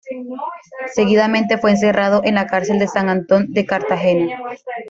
Seguidamente fue encerrado en la cárcel de San Antón de Cartagena.